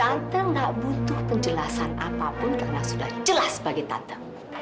tante gak butuh penjelasan apapun karena sudah jelas bagi tante